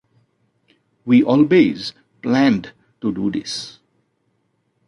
We always planned to do this.